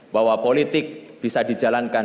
bahwa politik bisa dijalankan